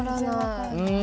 うん。